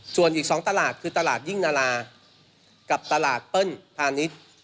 ส่วนอีก๒ตลาดคือตลาดยิ่งนารากับตลาดเปิ้ลพาณิชย์